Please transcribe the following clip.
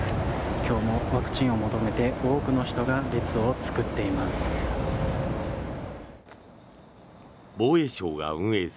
今日もワクチンを求めて多くの人が列を作っています。